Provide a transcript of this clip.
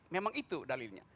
memang itu dalilnya